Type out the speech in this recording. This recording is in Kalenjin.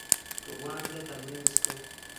rubwa let amekuskong